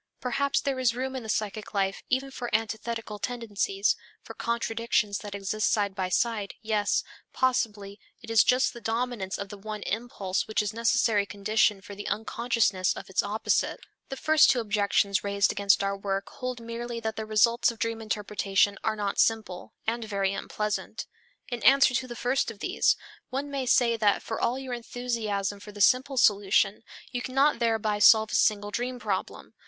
Perhaps there is room in the psychic life even for antithetical tendencies, for contradictions which exist side by side, yes, possibly it is just the dominance of the one impulse which is the necessary condition for the unconsciousness of its opposite. The first two objections raised against our work hold merely that the results of dream interpretation are not simple, and very unpleasant. In answer to the first of these, one may say that for all your enthusiasm for the simple solution, you cannot thereby solve a single dream problem.